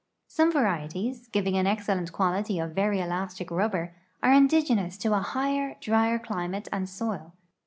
Some varieties, giving an excellent quality of very elastic rub ber, are indigenous to a higher, drier climate and soil.